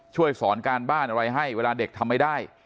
ช่วยสอนการบ้านอะไรให้เวลาเด็กทำไม่ได้